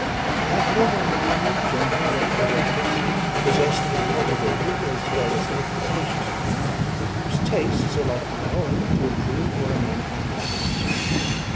I have no one near me, gentle yet courageous, possessed of a cultivated as well as of a capacious mind, whose tastes are like my own, to approve or amend my plans.